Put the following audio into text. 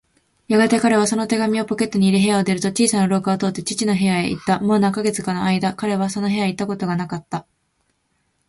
やがて彼はその手紙をポケットに入れ、部屋を出ると、小さな廊下を通って父の部屋へいった。もう何カ月かのあいだ、彼はその部屋へいったことがなかった。